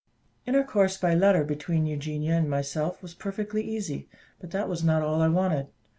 Intercourse by letter between Eugenia and myself was perfectly easy; but that was not all I wanted.